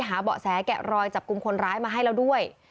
เบาะแสแกะรอยจับกลุ่มคนร้ายมาให้แล้วด้วย